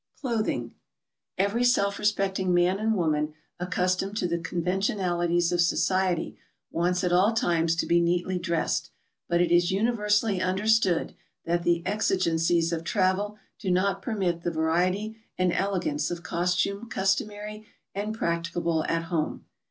CLOTHING. Every self respecting man and woman accustomed to the conventionalities of society, wants at all times to be neatly dressed, but it is universally understood that the exi gencies of travel do not permit the variety and elegance of costume customary and praoticahle at hotne.